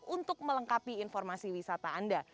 untuk melengkapi informasi wisata anda